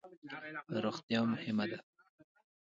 روغتیا مهمه ده